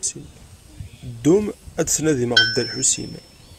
Ddum ad d-tnadim ɣef Dda Lḥusin.